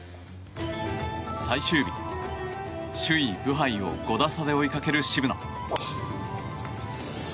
最終日、首位ブハイを５打差で追いかける渋野。